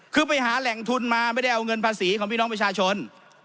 คือไปหาแหล่งทุนมาไม่ได้เอาเงินภาษีของพี่น้องประชาชน